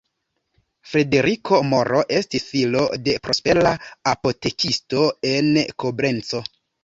Frederiko Moro estis filo de prospera apotekisto en Koblenco.